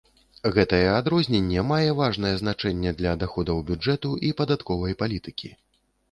Гэтае адрозненне мае важнае значэнне для даходаў бюджэту і падатковай палітыкі.